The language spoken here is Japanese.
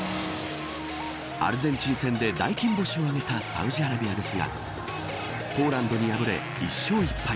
アルゼンチン戦で大金星をあげたサウジアラビアですがポーランドに敗れ、１勝１敗。